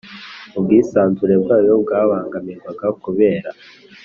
ubwisanzure bwayo bwabangamirwa kubera